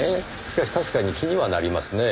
しかし確かに気にはなりますね。